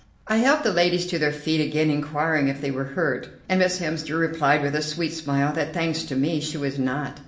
I helped the ladies to their feet again, inquiring if they were hurt, and Miss Hemster replied with a sweet smile that, thanks to me, she was not.